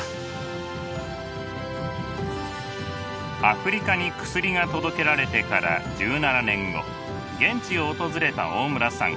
アフリカに薬が届けられてから１７年後現地を訪れた大村さん。